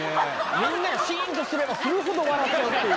みんながしーんとすればするほど、笑っているという。